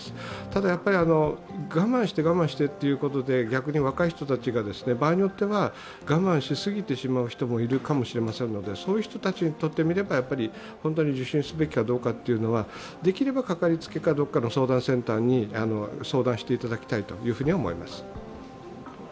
ただ、我慢して我慢してということで逆に若い人たちが場合によっては我慢しすぎてしまう人もいるかもしれませんのでそういう人たちにとってみれば受診すべきかどうかはできればかかりつけかどこかの相談センターに相談していただきたいと思います。